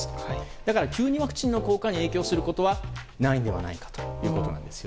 だから、急にワクチンの効果に影響することはないのではないかということです。